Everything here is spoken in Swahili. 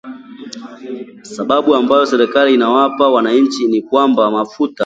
Sababu ambayo serikali inawapa wananchi ni kwamba mafuta